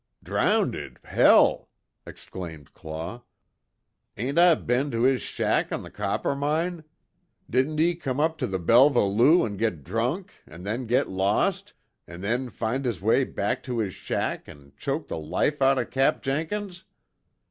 "Drounded? hell!" exclaimed Claw, "Ain't I be'n to his shack on the Coppermine? Didn't he come up to the Belva Lou an' git drunk, an' then git lost, an' then find his way back to his shack an' choke the life out of Cap Jinkins?